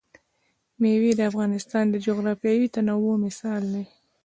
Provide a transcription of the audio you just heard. مېوې د افغانستان د جغرافیوي تنوع مثال دی.